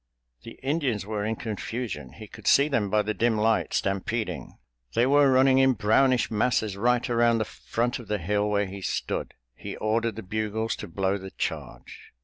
The Indians were in confusion—he could see them by the dim light, stampeding. They were running in brownish masses right around the front of the hill where he stood. He ordered the bugles to blow the charge.